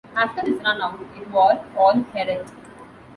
After this run-out, it wall all Herath.